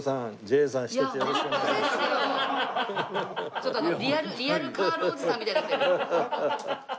ちょっとリアルカールおじさんみたいになってる。